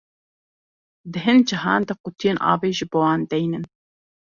Di hin cihan de qutiyên avê ji bo wan deynin.